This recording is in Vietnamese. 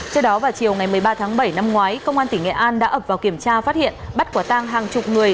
trước đó vào chiều ngày một mươi ba tháng bảy năm ngoái công an tỉnh nghệ an đã ập vào kiểm tra phát hiện bắt quả tang hàng chục người